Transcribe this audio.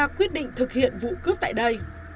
người ta quyết định thực hiện vụ cướp tại đây